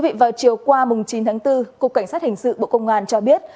vào chiều qua chín tháng bốn cục cảnh sát hình sự bộ công an cho biết